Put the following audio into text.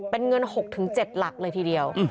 เป็นเงิน๖๗หลักเลยทีเดียว